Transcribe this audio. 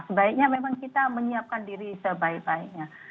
sebaiknya memang kita menyiapkan diri sebaik baiknya